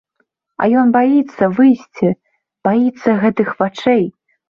А ён баіцца выйсці, баіцца гэтых вачэй.